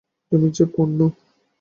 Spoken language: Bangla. তুমি যে– পূর্ণ।